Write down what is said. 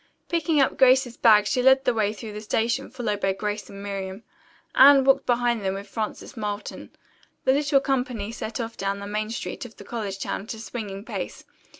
Picking up Grace's bag she led the way through the station followed by Grace and Miriam. Anne walked behind them with Frances Marlton. The little company set off down the main street of the college town at a swinging pace.